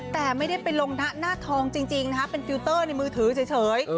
แต่ไม่ได้ไปลงหน้าทองจริงนะคะเป็นฟิลเตอร์ในมือถือเฉย